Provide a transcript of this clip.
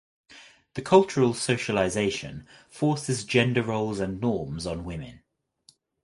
The cultural socialization forces gender roles and norms on women.